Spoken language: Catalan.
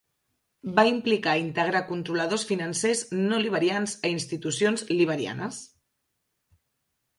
Va implicar integrar controladors financers no liberians a institucions liberianes.